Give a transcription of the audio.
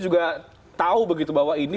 juga tahu begitu bahwa ini